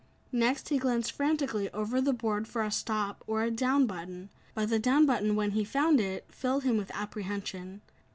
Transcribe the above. Next, he glanced frantically over the board for a "stop" or a "down" button, but the "down" button when he found it, filled him with apprehension.